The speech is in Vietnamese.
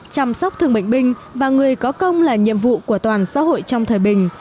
chăm sóc thương bệnh binh và người có công là nhiệm vụ của toàn xã hội trong thời bình